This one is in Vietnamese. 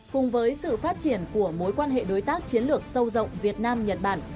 cùng với sự phát triển của mối quan hệ đối tác chiến lược sâu rộng việt nam nhật bản